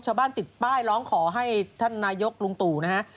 ติดป้ายร้องขอให้ท่านนายกลุงตู่นะฮะ